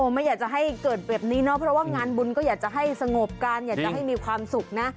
ไม่อยากจะให้เกิดแบบนี้เนาะเพราะว่างานบุญก็อยากจะให้สงบกันอยากจะให้มีความสุขนะ